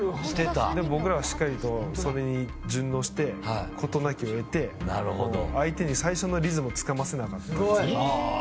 僕らはしっかりとそれに順応して事なきを得て相手に最初のリズムをつかませなかったんですね。